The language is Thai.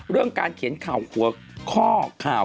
เรื่องการเขียนข่าวหัวข้อข่าว